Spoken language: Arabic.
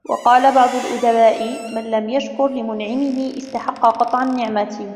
وَقَالَ بَعْضُ الْأُدَبَاءِ مَنْ لَمْ يَشْكُرْ لِمُنْعِمِهِ اسْتَحَقَّ قَطْعَ النِّعْمَةِ